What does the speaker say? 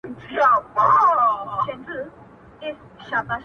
شكر دى چي مينه يې په زړه كـي ده!